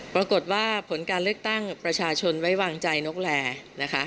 ปรากฏว่าผลการเลือกตั้งประชาชนไว้วางใจนกแลนะคะ